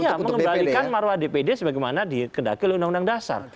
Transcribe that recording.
iya mengembalikan maruah dpd sebagaimana di kendaki undang undang dasar